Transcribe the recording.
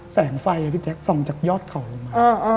แสงไฟพี่แจ๊คส่องจากยอดเขาลงมา